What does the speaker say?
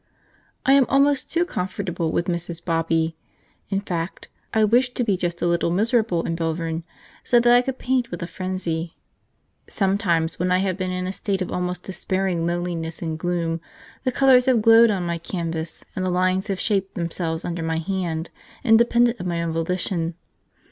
I am almost too comfortable with Mrs. Bobby. In fact I wished to be just a little miserable in Belvern, so that I could paint with a frenzy. Sometimes, when I have been in a state of almost despairing loneliness and gloom, the colours have glowed on my canvas and the lines have shaped themselves under my hand independent of my own volition.